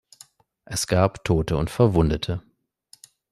Es gab Tote und Verwundete.